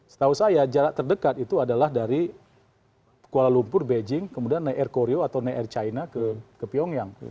setahu saya jarak terdekat itu adalah dari kuala lumpur beijing kemudian naik air korea atau naik air china ke pyongyang